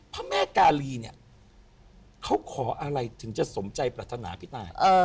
พระแม่กาลีเนี่ยเขาขออะไรถึงจะสมใจปรารถนาพี่ตาย